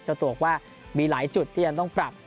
จะโตกว่ามีหลายการที่จะต้องปรับ